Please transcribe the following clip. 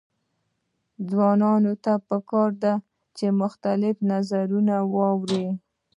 ځوانانو ته پکار ده چې، مختلف نظرونه واوري.